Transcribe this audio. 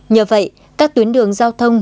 nhờ vậy các tuyến đường giao thông